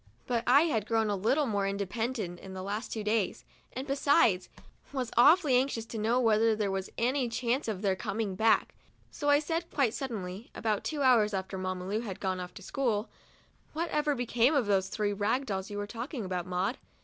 But I had grown a little more independent in the last two days, and besides, was awfully anxious to know whether there was any chance of their coming back; so I said, quite suddenly, about two hours after Mamma Lu had gone off to school : "What ever became of those three rag dolls you were talking about, Maud